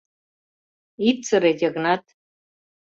— Ит сыре, Йыгнат.